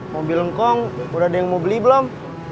mobil lengkong udah ada yang mau beli belum